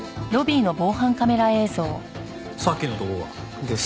さっきの男か。です。